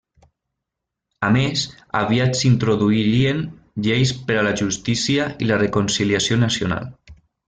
A més, aviat s'introduirien lleis per a la justícia i la reconciliació nacional.